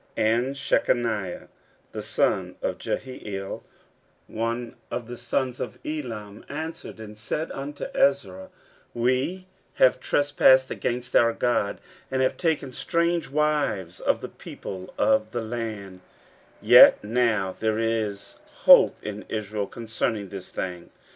15:010:002 And Shechaniah the son of Jehiel, one of the sons of Elam, answered and said unto Ezra, We have trespassed against our God, and have taken strange wives of the people of the land: yet now there is hope in Israel concerning this thing.